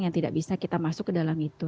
yang tidak bisa kita masuk ke dalam itu